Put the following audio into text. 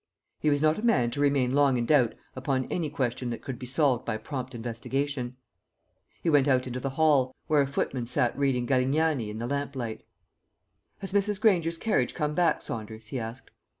He was not a man to remain long in doubt upon any question that could be solved by prompt investigation. He went out into the hall, where a footman sat reading Galignani in the lamplight. "Has Mrs. Granger's carriage come back, Saunders?" he asked.